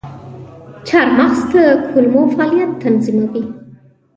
چارمغز د کولمو فعالیت تنظیموي.